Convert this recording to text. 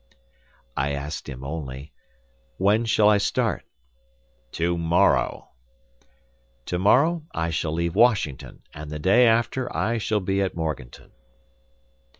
I asked him only "When shall I start?" "Tomorrow." "Tomorrow, I shall leave Washington; and the day after, I shall be at Morganton."